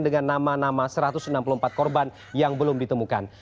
dengan nama nama satu ratus enam puluh empat korban yang belum ditemukan